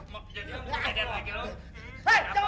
mau jadi abu abu kejadian lagi lo